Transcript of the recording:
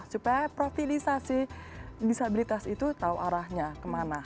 supaya profilisasi disabilitas itu tahu arahnya kemana